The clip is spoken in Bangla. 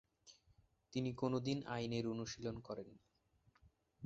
তিনি কোনদিন আইনের অনুশীলন করেননি।